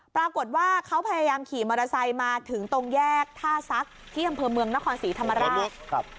ปรากฏว่าเขาพยายามขี่มอเตอร์ไซค์มาถึงตรงแยกท่าซักที่อำเภอเมืองนครศรีธรรมราช